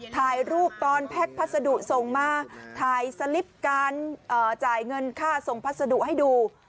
ถ่ายรูปตอนแพ็คพัสดุส่งมาถ่ายสลิปการจ่ายเงินค่าส่งพัสดุให้ดู